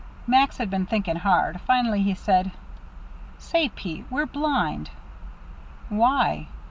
Max had been thinking hard. Finally he said: "Say, Pete, we're blind." "Why?"